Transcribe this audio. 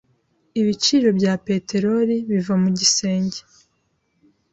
Ibiciro bya peteroli biva mu gisenge.